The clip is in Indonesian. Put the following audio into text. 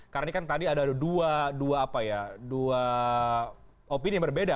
karena ini kan tadi ada dua opini yang berbeda